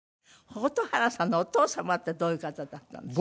蛍原さんのお父様ってどういう方だったんですか？